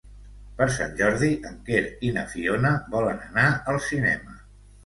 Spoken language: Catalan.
Per Sant Jordi en Quer i na Fiona volen anar al cinema.